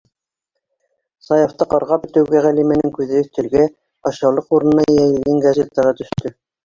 Саяфты ҡарғап бөтөүгә, Ғәлимәнең күҙе өҫтәлгә ашъяулыҡ урынына йәйелгән газетаға төштө.